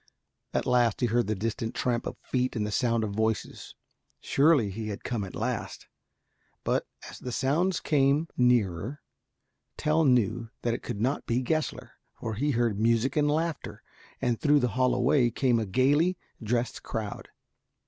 At last he heard the distant tramp of feet and the sound of voices. Surely he had come at last. But as the sounds came nearer, Tell knew that it could not be Gessler, for he heard music and laughter, and through the Hollow Way came a gaily dressed crowd.